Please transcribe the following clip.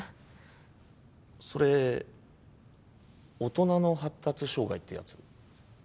それ大人の発達障害ってやつ？